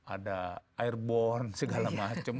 ada airborne segala macam